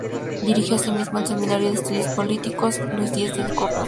Dirige asimismo el Seminario de Estudios Políticos "Luis Diez del Corral".